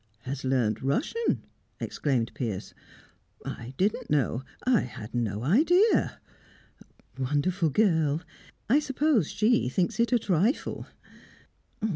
"Has learnt Russian?" exclaimed Piers. "I didn't know I had no idea " "Wonderful girl! I suppose she thinks it a trifle."